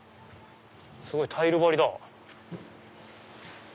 すごい！タイル張りだ。